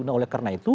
nah oleh karena itu